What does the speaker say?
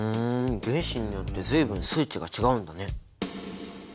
原子によって随分数値が違うんだね。